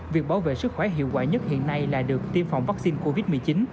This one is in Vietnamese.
việc bảo vệ sức khỏe hiệu quả nhất hiện nay là được tiêm phòng vaccine covid một mươi chín